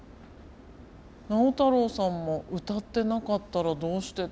直太朗さんも歌ってなかったらどうしてただろうって。